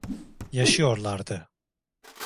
Yaşıyorlardı.